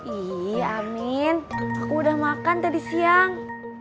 ih amin aku udah makan tadi siang